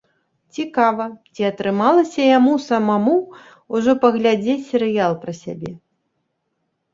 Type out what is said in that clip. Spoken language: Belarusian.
Цікава, ці атрымалася яму самому ўжо паглядзець серыял пра сябе?